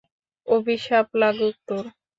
অভিশাপ লাগুক তোর!